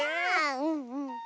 うんうん。